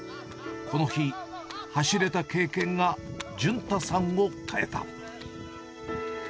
この日、走れた経験が潤太さんを変えた。